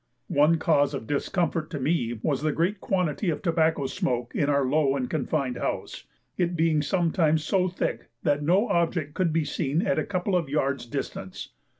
One cause of discomfort to me was the great quantity of tobacco smoke in our low and confined house, it being sometimes so thick that no object could be seen at a couple of yards' distance.